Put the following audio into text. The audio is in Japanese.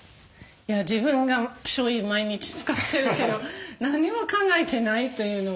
自分がしょうゆ毎日使ってるけど何にも考えてないというのが不思議やな。